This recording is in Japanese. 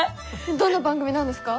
どんな番組なんですか？